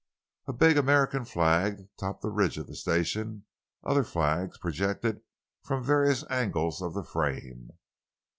A big American flag topped the ridge of the station; other flags projected from various angles of the frame.